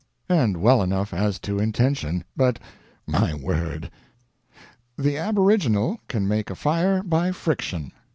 And well enough as to intention, but my word! The aboriginal can make a fire by friction.